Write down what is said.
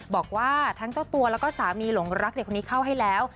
บอกว่าทั้งเจ้าตัวแล้วก็สามีหลงรักเด็กคนนี้เข้าให้แล้ว